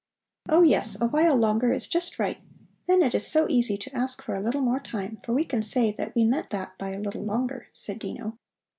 "Oh, yes, a while longer is just right. Then it is so easy to ask for a little more time, for we can say that we meant that by a little longer," said Dino.